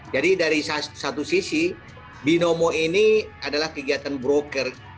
jadi dari satu sisi binomo ini adalah kegiatan broker